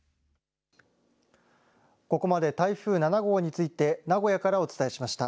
ここまで台風７号について名古屋からお伝えしました。